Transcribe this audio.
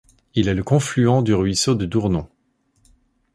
Il est le confluent du ruisseau de Dournon.